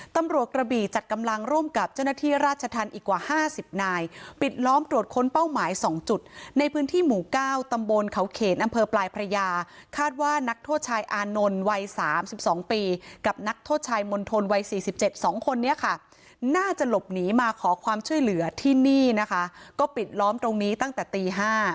ตำรวจกระบี่จัดกำลังร่วมกับเจ้าหน้าที่ราชธรรมอีกกว่า๕๐นายปิดล้อมตรวจค้นเป้าหมาย๒จุดในพื้นที่หมู่เก้าตำบลเขาเขนอำเภอปลายพระยาคาดว่านักโทษชายอานนท์วัย๓๒ปีกับนักโทษชายมณฑลวัย๔๗๒คนนี้ค่ะน่าจะหลบหนีมาขอความช่วยเหลือที่นี่นะคะก็ปิดล้อมตรงนี้ตั้งแต่ตี๕